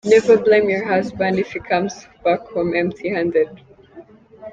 Never blame your husband if he comes back home empty handed.